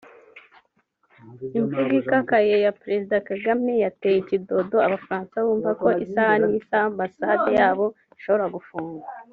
Imvugo ikakaye ya Perezida Kagame yateye ikidodo Abafaransa bumva ko isaha n’isaha Ambasade yabo ishobora gufungwa